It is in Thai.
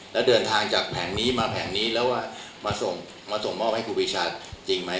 และเดินทางจากแผ่งนี้มาแผ่งนี้แล้วมาส่งมอบให้ครูพิชาจริงไหม